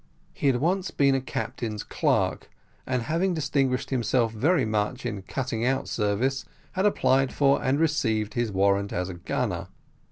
He had once been a captain's clerk, and having distinguished himself very much in cutting out service, had applied for and received his warrant as a gunner.